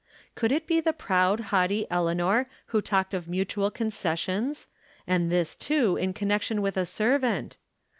Could it be the proud, haughty Eleanor who talked of mutual concessions, and this, too, in connection with a servant